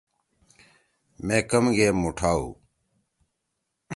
مے کم گے مُوٹھا ہو۔